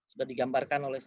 sudah digambarkan oleh